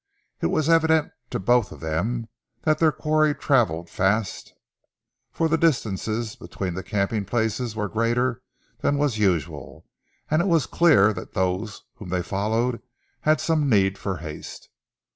It was evident to both of them that their quarry travelled fast, for the distances between the camping places were greater than was usual, and it was clear that those whom they followed had some need for haste.